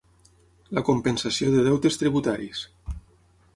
La compensació de deutes tributaris.